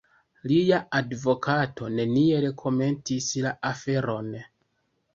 Lia advokato neniel komentis la aferon.